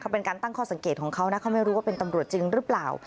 เป็นการตั้งข้อสังเกตของเขานะเขาไม่รู้ว่าเป็นตำรวจจริงหรือเปล่า